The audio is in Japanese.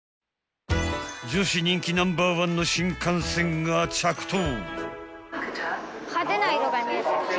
［女子人気ナンバーワンの新幹線が着到］